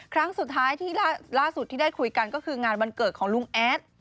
ครั้งสุดท้ายที่ล่าสุดที่ได้คุยกันก็คืองานวันเกิดของลุงแอด